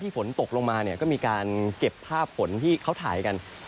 ฝนตกลงมาเนี่ยก็มีการเก็บภาพฝนที่เขาถ่ายกัน